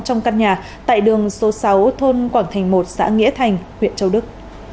trong căn nhà tại đường số sáu thôn quảng thành một xã nghĩa thành huyện châu đức